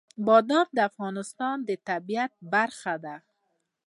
بادام د افغانستان د طبیعت برخه ده.